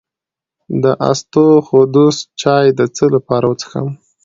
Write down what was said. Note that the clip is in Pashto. د اسطوخودوس چای د څه لپاره وڅښم؟